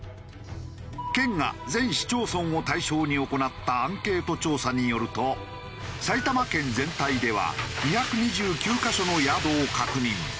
県が全市町村を対象に行ったアンケート調査によると埼玉県全体では２２９カ所のヤードを確認。